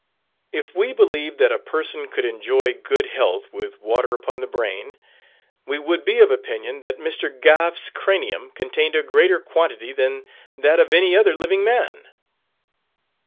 If we believe that a person could enjoy good health with water upon the brain, we would be of opinion that Mr. Gough's cranium contained a greater quantity than that of any other living man.